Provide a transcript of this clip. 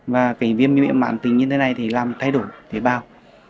viêm nhiễm bản tính như thế này làm thay đổi tế bào